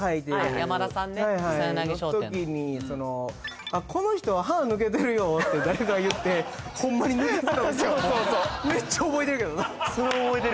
山田さんねはいはいの時にこの人は歯抜けてるよって誰か言ってホンマに抜けてた時めっちゃ覚えてるけどなそれ覚えてる・